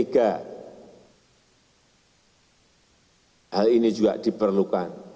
hal ini juga diperlukan